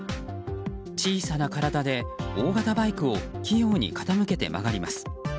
小さな体で大型バイクを器用に傾けて曲がります。